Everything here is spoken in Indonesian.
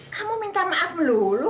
kamu minta maaf dulu dulu